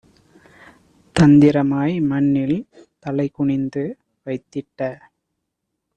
தந்திரமாய் மண்ணில் தலைகுனிந்து வைத்திட்ட